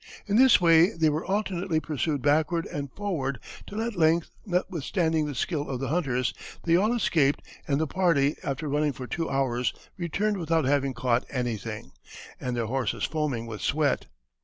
In this way they were alternately pursued backward and forward, till at length, notwithstanding the skill of the hunters, they all escaped; and the party, after running for two hours, returned without having caught anything, and their horses foaming with sweat.